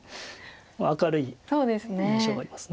明るい印象があります。